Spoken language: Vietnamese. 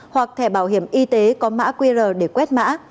hoặc thẻ bảo hiểm y tế có mã qr để quét mã